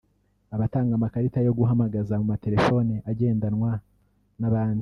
abatanga amakarita yo guhamagaza mu matelefone agendanwa n’abandi